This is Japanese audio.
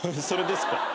それですか。